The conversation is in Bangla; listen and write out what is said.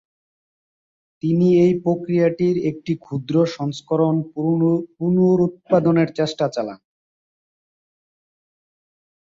তিনি এই প্রক্রিয়াটির একটি ক্ষুদ্র সংস্করণ পুনরুৎপাদনের চেষ্টা চালান।